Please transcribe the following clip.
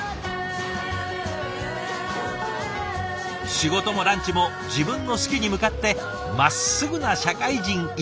仕事もランチも自分の好きに向かってまっすぐな社会人１年生。